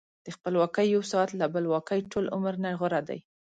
د خپلواکۍ یو ساعت له بلواکۍ ټول عمر نه غوره دی.